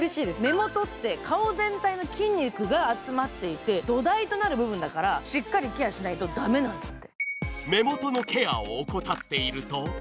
目元って顔全体の筋肉が集まっていて、土台となる部分だから、しっかりケアしないと駄目なんだって。